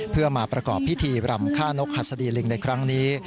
เพื่อมาประกอบพิธีรำฆ่านกหัสดีลิงในครั้งนี้